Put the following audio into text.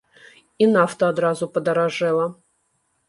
І нафта адразу падаражэла.